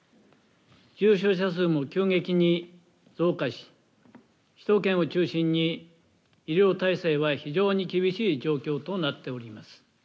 重症者数も急激に増加し首都圏を中心に医療体制は非常に厳しい状況となっております。